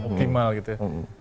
oke optimal gitu ya